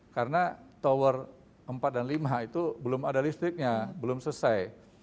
karena tower empat dan lima itu belum ada listriknya belum selesai